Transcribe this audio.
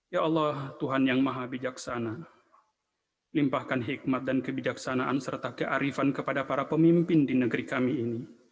ya allah tuhan yang maha bijaksana limpahkan hikmat dan kebijaksanaan serta kearifan kepada para pemimpin di negeri kami ini